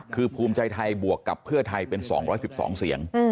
คือภูมิใจไทยบวกกับเพื่อไทยเป็น๒๑๒เสียง